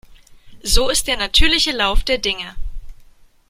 So ist der natürliche Lauf der Dinge.